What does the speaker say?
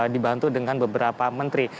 dibantu dengan beberapa menteri